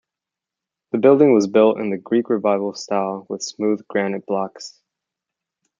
The building was built in the Greek Revival style with smooth granite blocks.